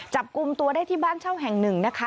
จับกลุ่มตัวได้ที่บ้านเช่าแห่งหนึ่งนะคะ